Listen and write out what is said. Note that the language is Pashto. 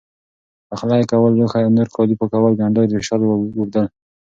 پخلی کول لوښي او نور کالي پاکول، ګنډل، رېشل، ووبدل،